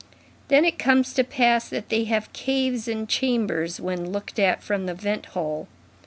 Then it comes to pass that they have caves and chambers when looked at from the vent hole.